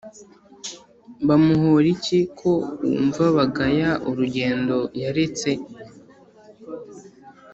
Bamuhora iki, ko wumva bagaya urugendo yaretse?